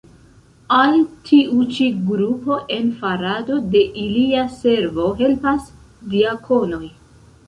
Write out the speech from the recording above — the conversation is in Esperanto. Al tiu ĉi grupo en farado de ilia servo helpas diakonoj.